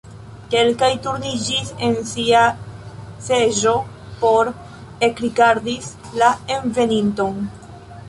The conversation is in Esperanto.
Kelkaj turniĝis en sia seĝo por ekrigardi la enveninton.